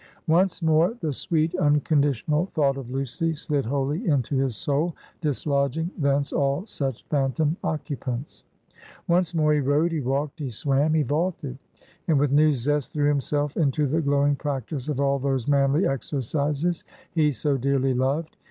Once more, the sweet unconditional thought of Lucy slid wholly into his soul, dislodging thence all such phantom occupants. Once more he rode, he walked, he swam, he vaulted; and with new zest threw himself into the glowing practice of all those manly exercises, he so dearly loved.